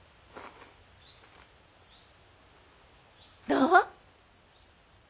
どう？